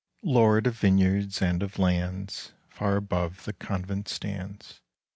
Lord of vineyards and of lands, Far above the convent stands.